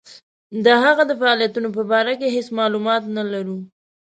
د هغه د فعالیتونو په باره کې هیڅ معلومات نه لرو.